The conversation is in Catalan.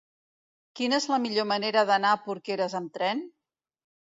Quina és la millor manera d'anar a Porqueres amb tren?